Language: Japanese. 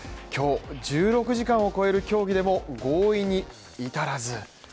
今日、１６時間を超える協議でも合意に至らず。